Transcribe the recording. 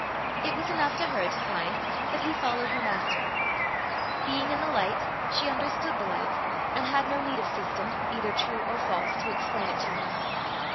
It was enough to her to find that he followed her Master. Being in the light she understood the light, and had no need of system, either true or false, to explain it to her.